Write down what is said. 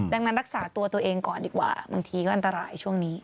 ดังนั้นรักษาตัวตัวเองก่อนดีกว่าบางทีก็อันตรายช่วงนี้